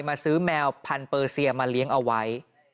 มาซื้อแมวพันเปอร์เซียมาเลี้ยงเอาไว้